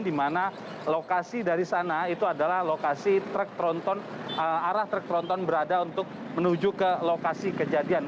di mana lokasi dari sana itu adalah lokasi truk tronton arah truk tronton berada untuk menuju ke lokasi kejadian